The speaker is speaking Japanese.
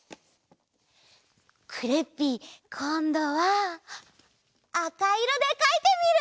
クレッピーこんどはあかいろでかいてみる！